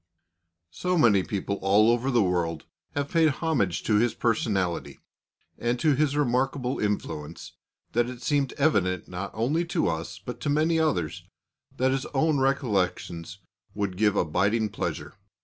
So many people all over the world have paid homage to his personality, and to his remarkable influence, that it seemed evident not only to us but to many others, that his own recollections would give abiding pleasure.